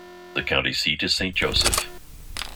The county seat is Saint Joseph.